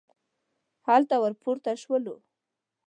هلته ور پورته شولو.